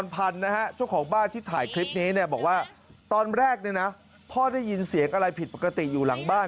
พี่นี้บอกว่าตอนแรกพ่อได้ยินเสียงอะไรผิดปกติอยู่หลังบ้าน